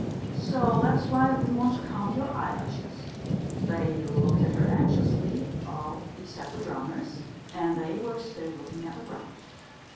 "So that's why we want to count your eyelashes." They looked at her anxiously, all except the drummers, and they were still looking at the ground.